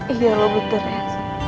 iya lo betul ya